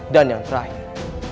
dan yang terakhir